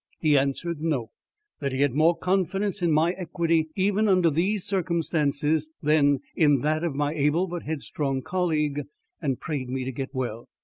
He answered no: that he had more confidence in my equity even under these circumstances than in that of my able, but headstrong, colleague; and prayed me to get well.